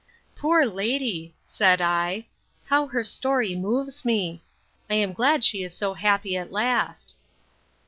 Poor lady! said I; how her story moves me! I am glad she is so happy at last!